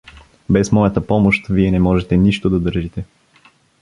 Без моята помощ вие не можете нищо да държите.